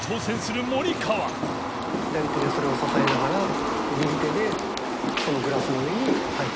左手でそれを支えながら蠅そのグラスの上にはい。